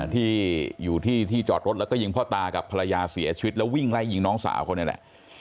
ที่อยู่ที่จอดรถแล้วก็ยิงพ่อตากับภรรยาเสียชีวิตแล้ววิ่งไล่ยิงน้องสาวเขานี่แหละ